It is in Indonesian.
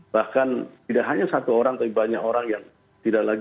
bahkan tidak hanya satu orang tapi banyak orang yang tidak lagi